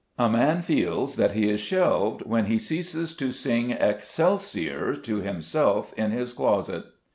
A man feels that he is shelved when he ceases to sing excelsior to himself in his closet.